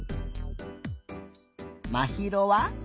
まひろは？